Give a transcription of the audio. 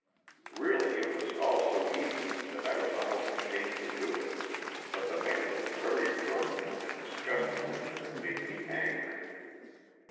Really, it was all so easy that I was almost ashamed to do it, but the man was very drunken and disgusting, and had made me angry.